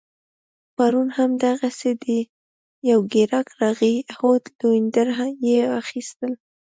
پرون هم دغسي یو ګیراک راغی عود لوینډر يې اخيستل